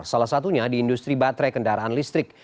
salah satunya di industri baterai kendaraan listrik